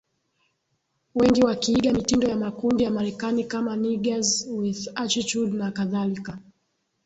Wengi wakiiga mitindo ya makundi ya Marekani kama Niggers With Attitude na kadhalika